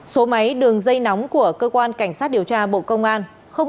số máy đường dây nóng của cơ quan cảnh sát điều tra bộ công an